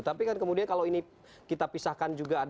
tapi kalau kita pisahkan